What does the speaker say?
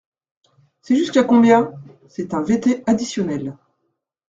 C’est jusqu’à combien ? C’est un VT additionnel.